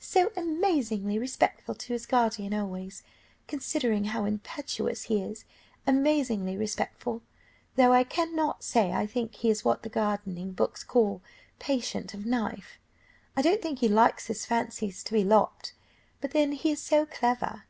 So amazingly respectful to his guardian always, considering how impetuous he is, amazingly respectful, though I cannot say I think he is what the gardening books call patient of the knife, I don't think he likes his fancies to be lopped; but then he is so clever.